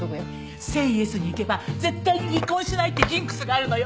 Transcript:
ＳＡＹＹＥＳに行けば絶対に離婚しないってジンクスがあるのよ。